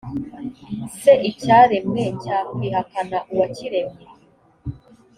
se icyaremwe cyakwihakana uwakiremye